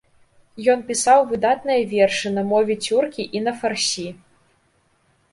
Ён пісаў выдатныя вершы на мове цюркі і на фарсі.